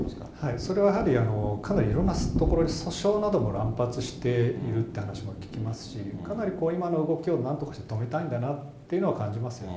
それはやはり、かなりいろんなところで訴訟なども乱発しているって話も聞きますし、かなり今の動きをなんとか止めたいんだなというのは感じますね。